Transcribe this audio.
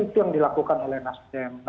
itu yang dilakukan oleh nasdem